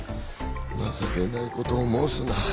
情けないことを申すな。